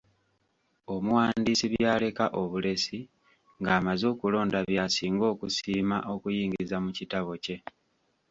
Omuwandiisi by'aleka obulesi ng'amaze okulonda by'asinga okusiima okuyingiza mu kitabo kye.